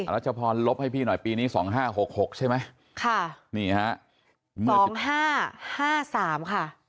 รัชพรลบให้พี่หน่อยปีนี้๒๕๖๖ใช่ไหมค่ะนี่ฮะ๒๕๕๓ค่ะ